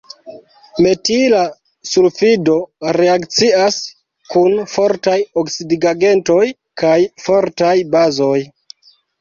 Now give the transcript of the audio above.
Metila sulfido reakcias kun fortaj oksidigagentoj kaj fortaj bazoj.